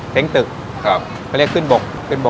เช่นอาชีพพายเรือขายก๋วยเตี๊ยว